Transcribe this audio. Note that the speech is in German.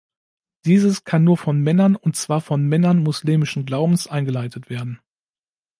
Dieses kann nur von Männern, und zwar von Männern moslemischen Glaubens, eingeleitet werden.